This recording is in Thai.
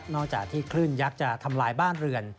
จากที่คลื่นยักษ์จะทำลายบ้านเรือน